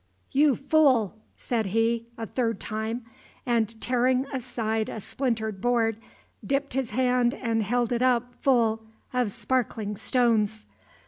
"You fool!" said he, a third time, and tearing aside a splintered board, dipped his hand and held it up full of sparkling stones.